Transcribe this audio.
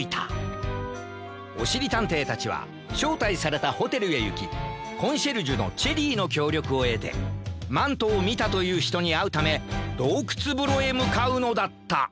おしりたんていたちはしょうたいされたホテルへいきコンシェルジュのチェリーのきょうりょくをえてマントをみたというひとにあうためどうくつぶろへむかうのだった